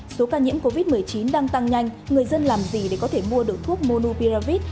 số ca nhiễm covid một mươi chín đang tăng nhanh người dân làm gì để có thể mua được thuốc monupiravit